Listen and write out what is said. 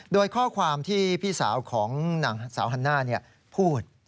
โดยข้อความที่พี่สาวของนางสาวฮันน่าพูด